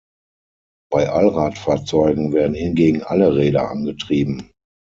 Bei Allradfahrzeugen werden hingegen alle Räder angetrieben.